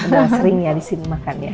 udah sering ya disini makan ya